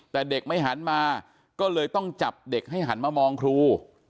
แต่เด็กไม่หันมาก็เลยต้องจับเด็กให้หันมามองครู